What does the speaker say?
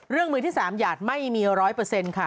เรื่องมือที่สามหยาดไม่มีร้อยเปอร์เซ็นต์ค่ะ